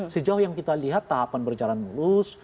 sejauh yang kita lihat tahapan berjalan mulus